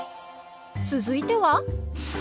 続いては？